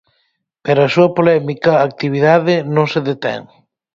Pero a súa polémica actividade non se detén.